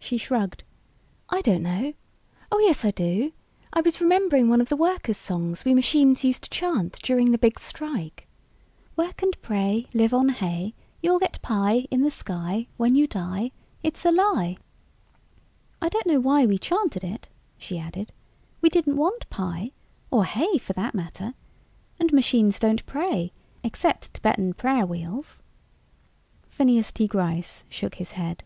She shrugged. "I don't know oh, yes, I do. I was remembering one of the workers' songs we machines used to chant during the Big Strike "Work and pray, Live on hay. You'll get pie In the sky When you die It's a lie! "I don't know why we chanted it," she added. "We didn't want pie or hay, for that matter. And machines don't pray, except Tibetan prayer wheels." Phineas T. Gryce shook his head.